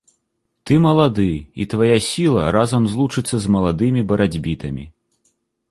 Ты малады, і твая сіла разам злучыцца з маладымі барацьбітамі.